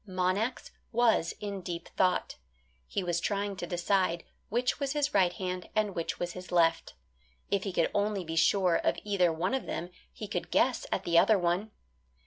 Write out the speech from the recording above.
Monax was in deep thought. He was trying to decide which was his right hand and which was his left. If he could only be sure of either one of them he could guess at the other one.